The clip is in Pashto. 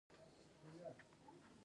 د فاریاب په پښتون کوټ کې څه شی شته؟